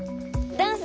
ダンス？